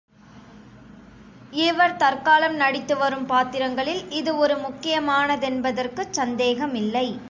இவர் தற்காலம் நடித்து வரும் பாத்திரங்களில் இது ஒரு முக்கியமானதென்பதற்குச் சந்தேகமில்லை.